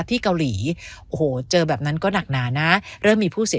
ที่เกาหลีโอ้โหเจอแบบนั้นก็หนักหนานะเริ่มมีผู้เสีย